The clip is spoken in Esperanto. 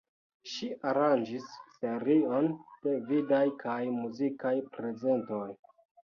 Ŝi aranĝis serion de vidaj kaj muzikaj prezentoj.